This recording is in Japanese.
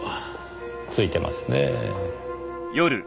ついてますねぇ。